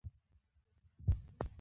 ـ د غريب يا ژړا وي يا ښېرا.